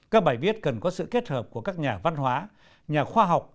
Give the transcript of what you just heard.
các bài viết cần có sự kết hợp của các nhà văn hóa nhà khoa học